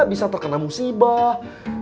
bisa terkena musibah